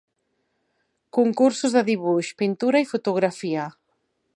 Concursos de dibuix, pintura i fotografia.